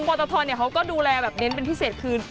ปวตธรเนี่ยเขาก็ดูแลแบบเน้นเป็นพิเศษคือ